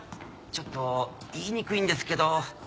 ちょっと言いにくいんですけど。